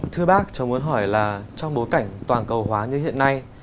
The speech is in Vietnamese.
thưa bác cháu muốn hỏi là trong bối cảnh toàn cầu hóa như hiện nay